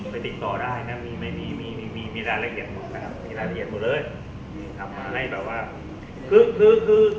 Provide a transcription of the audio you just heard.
ไปติดต่อได้นะมีรายละเอียดหมดนะครับมีรายละเอียดหมดเลยทำให้แบบว่า